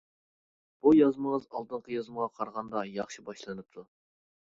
بۇ يازمىڭىز ئالدىنقى يازمىغا قارىغاندا ياخشى باشلىنىپتۇ.